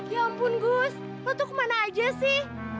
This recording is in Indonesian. ya ampun gus mau tuh kemana aja sih